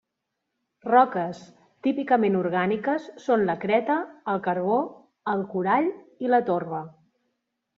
Roques típicament orgàniques són la creta, el carbó, el corall i la torba.